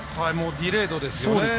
ディレードですよね。